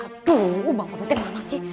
aduh bang parmin gimana sih